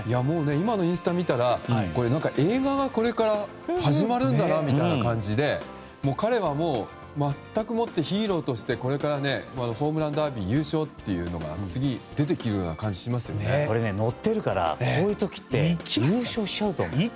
今のインスタ見たら映画がこれから始まるんだなみたいな感じで彼はもうまったくもってヒーローとしてこれからホームランダービー優勝というのが今、乗ってるからこういう時って優勝しちゃうと思う。